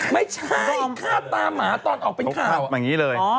ไม่ใช่ฆาตาหมาตอนออกเป็นข่าว